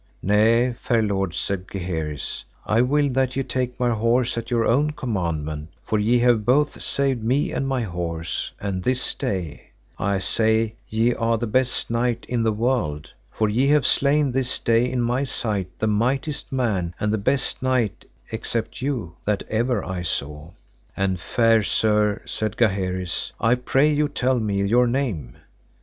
Nay, fair lord, said Gaheris, I will that ye take my horse at your own commandment, for ye have both saved me and my horse, and this day I say ye are the best knight in the world, for ye have slain this day in my sight the mightiest man and the best knight except you that ever I saw, and, fair sir, said Gaheris, I pray you tell me your name.